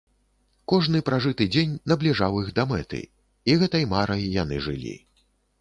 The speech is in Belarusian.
Кожны пражыты дзень набліжаў іх да мэты, і гэтай марай яны жылі.